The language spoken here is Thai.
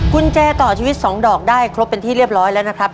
กุญแจต่อชีวิต๒ดอกได้ครบเป็นที่เรียบร้อยแล้วนะครับ